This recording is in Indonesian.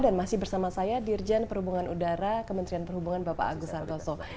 dan masih bersama saya dirjen perhubungan udara kementerian perhubungan bapak agus santoso